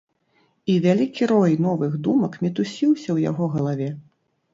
І вялікі рой новых думак мітусіўся ў яго галаве.